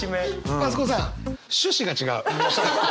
増子さん趣旨が違う。